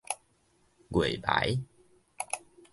月眉